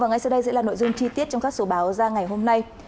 và ngay sau đây sẽ là nội dung chi tiết trong các số báo ra ngày hôm nay